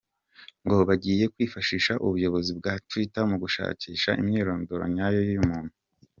Ngo bagiye kwifashisha ubuyobozi bwa Twitter mu gushakisha imyirondoro nyayo y’uyu muntu.